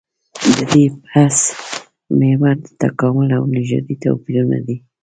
د دې بحث محور د تکامل او نژادي توپيرونه دي.